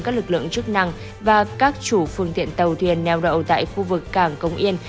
các lực lượng chức năng và các chủ phương tiện tàu thuyền neo đậu tại khu vực cảng công yên